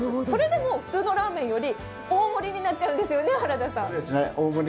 それでも普通のラーメンより大盛りになっちゃうんですよね。